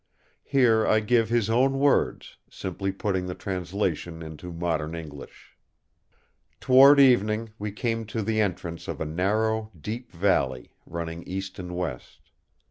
Here I give his own words, simply putting the translation into modern English: "Toward evening we came to the entrance of a narrow, deep valley, running east and west.